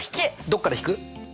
どっから引く？